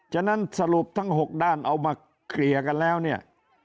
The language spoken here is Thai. ฉะนั้นสรุปทั้ง๖ด้านเอามาเคลียร์กันแล้วเนี่ย